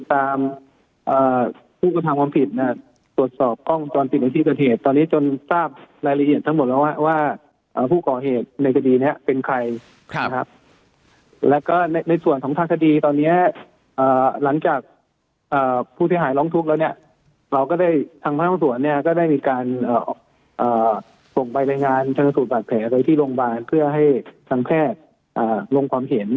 ตามผู้กระทำความผิดเนี่ยตรวจสอบกล้องจรปิดในที่เกิดเหตุตอนนี้จนทราบรายละเอียดทั้งหมดแล้วว่าผู้ก่อเหตุในคดีนี้เป็นใครนะครับแล้วก็ในส่วนของทางคดีตอนนี้หลังจากผู้เสียหายร้องทุกข์แล้วเนี่ยเราก็ได้ทางพนักสวนเนี่ยก็ได้มีการส่งไปรายงานชนสูตรบาดแผลโดยที่โรงพยาบาลเพื่อให้ทางแพทย์ลงความเห็น